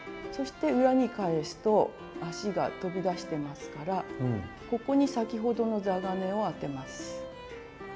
そして裏に返すと足が飛び出してますからここに先ほどの座金を当てます。